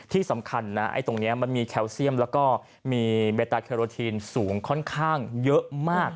ที่สำคัญนะไอ้ตรงนี้มันมีแคลเซียมแล้วก็มีเบตาแคโรทีนสูงค่อนข้างเยอะมาก